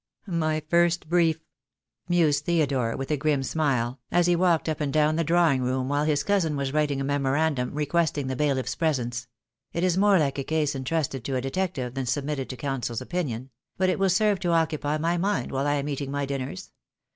"My first brief," mused Theodore, with a grim smile, as he walked up and down the drawing room while his cousin was writing a memorandum requesting the bailiff's presence. "It is more like a case entrusted to a detective than submitted to counsel's opinion; but it will serve to occupy my mind while I am eating my dinners.